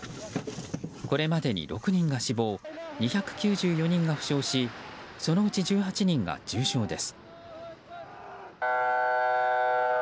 これまでに６人が死亡２９４人が負傷しそのうち１８人が重傷です。